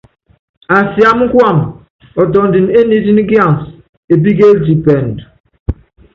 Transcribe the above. Asiámá kuamɛ ɔtɔndini é niitníkiansɛ, epíkini epíkeliti pɛɛndu.